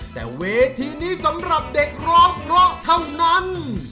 แต่เวทีนี้สำหรับเด็กร้องเพราะเท่านั้น